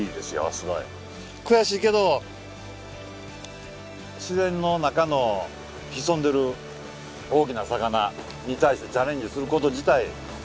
すごい悔しいけど自然の中の潜んでる大きな魚に対してチャレンジすること自体